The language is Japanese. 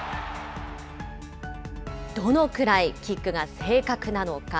どのくらいキックが正確なのか。